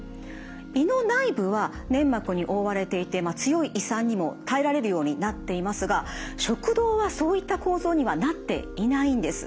胃の内部は粘膜に覆われていて強い胃酸にも耐えられるようになっていますが食道はそういった構造にはなっていないんです。